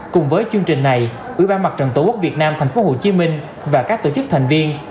cùng với chương trình này ủy ban mặt trận tổ quốc việt nam thành phố hồ chí minh và các tổ chức thành viên